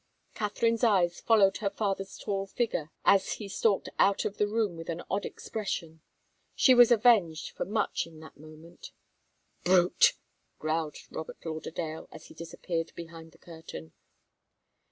Katharine's eyes followed her father's tall figure, as he stalked out of the room, with an odd expression. She was avenged for much in that moment. "Brute!" growled Robert Lauderdale, as he disappeared behind the curtain.